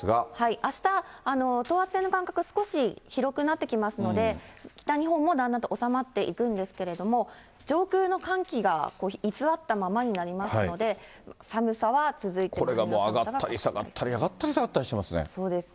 あした、等圧線の間隔、少し広くなってきますので、北日本もだんだんと収まっていくんですけれども、上空の寒気が居座ったまこれがもう上がったり下がったり、上がったり下がったりしますね。